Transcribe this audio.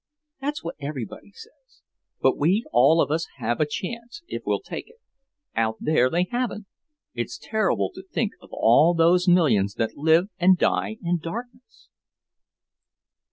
"That's what everybody says. But we all of us have a chance, if we'll take it. Out there they haven't. It's terrible to think of all those millions that live and die in darkness."